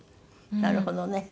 なるほどね。